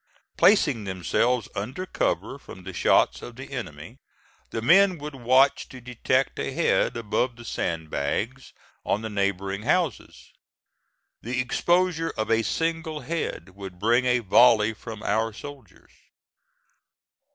Placing themselves under cover from the shots of the enemy, the men would watch to detect a head above the sand bags on the neighboring houses. The exposure of a single head would bring a volley from our soldiers.